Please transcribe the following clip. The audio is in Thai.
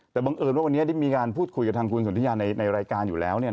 แต่บังเอิญว่าวันนี้ได้มีการพูดคุยกับทางคุณสนทิยาในรายการอยู่แล้ว